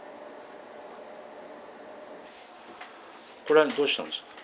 これはどうしたんですか？